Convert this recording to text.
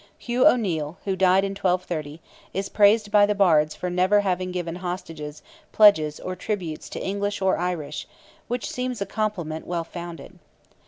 Hugh O'Neil, who died in 1230, is praised by the Bards for "never having given hostages, pledges, or tributes to English or Irish," which seems a compliment well founded.